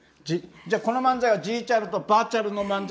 じゃこの漫才はジーチャルとバーチャルの漫才？